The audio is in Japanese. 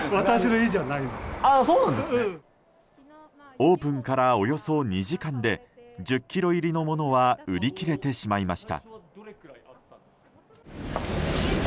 オープンから、およそ２時間で１０ｋｇ入りのものは売り切れてしまいました。